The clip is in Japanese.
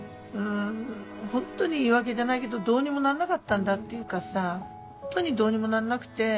ホントに言い訳じゃないけどどうにもなんなかったんだっていうかさホントにどうにもなんなくて。